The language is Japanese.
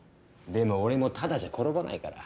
でも俺もただじゃ転ばないから。